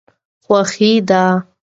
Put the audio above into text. خوښي ده.